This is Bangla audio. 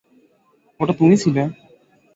ওটা তুমি ছিলে?